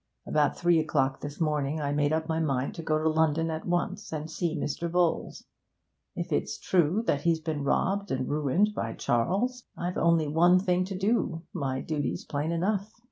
About three o'clock this morning I made up my mind to go to London at once and see Mr. Bowles. If it's true that he's been robbed and ruined by Charles, I've only one thing to do my duty's plain enough.